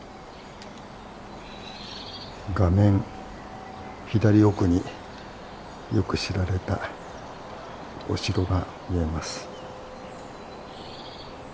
画面左奥によく知られたお城が見えます。